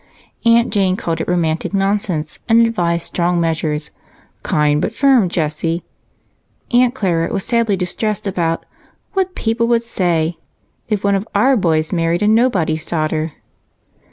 Aunt Jane called it romantic nonsense and advised strong measures "kind, but firm, Jessie." Aunt Clara was sadly distressed about "what people would say" if one of "our boys" married a nobody's daughter.